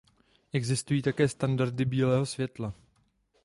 Existují také standardy bílého světla.